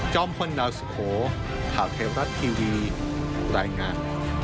จ้อมคนดาวสุโขข่าวเทวรัฐทีวีรายงาน